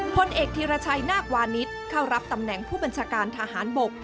พลเอกธีรชัยนาควานิสเข้ารับตำแหน่งผู้บัญชาการทหารบก